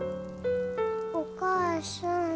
お母さん。